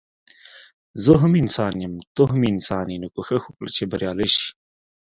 زه هم انسان يم ته هم انسان يي نو کوښښ وکړه چي بريالی شي